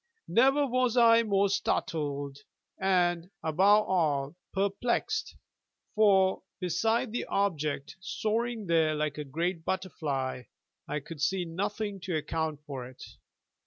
Never was I more startled, and, above all, perplexed: for, beside the object soaring there like a great butterfly, I could see nothing to account for it.